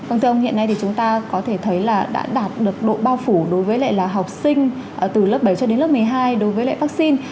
vâng thưa ông hiện nay thì chúng ta có thể thấy là đã đạt được độ bao phủ đối với lại là học sinh từ lớp bảy cho đến lớp một mươi hai đối với lệ vaccine